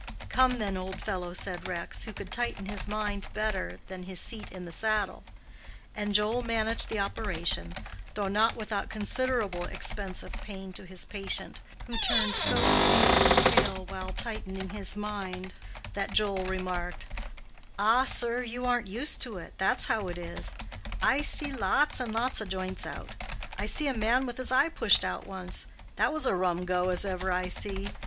"Come then, old fellow," said Rex, who could tighten his mind better than his seat in the saddle. And Joel managed the operation, though not without considerable expense of pain to his patient, who turned so pitiably pale while tightening his mind, that Joel remarked, "Ah, sir, you aren't used to it, that's how it is. I's see lots and lots o' joints out. I see a man with his eye pushed out once—that was a rum go as ever I see.